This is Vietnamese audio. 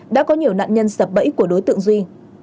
đã có nhiều nạn nhân sập bẫy của đối tượng duy